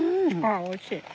あっおいしい。